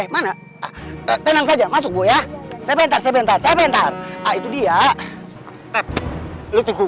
mana tenang saja masuk ya sebentar sebentar sebentar itu dia lu tunggu